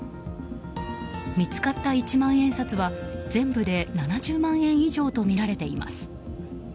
見つかった一万円札は全部で７０万円以上とみられています。